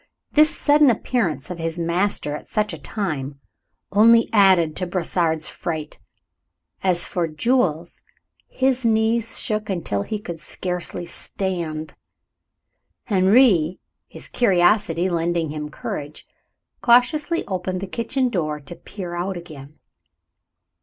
This sudden appearance of his master at such a time only added to Brossard's fright. As for Jules, his knees shook until he could scarcely stand. Henri, his curiosity lending him courage, cautiously opened the kitchen door to peer out again.